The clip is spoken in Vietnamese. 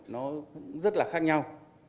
nó rất là khác nhau